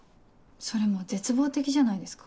それもう絶望的じゃないですか。